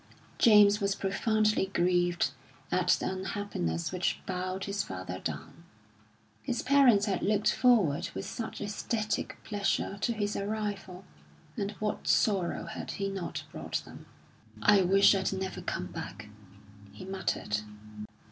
James was profoundly grieved at the unhappiness which bowed his father down. His parents had looked forward with such ecstatic pleasure to his arrival, and what sorrow had he not brought them! "I wish I'd never come back," he muttered.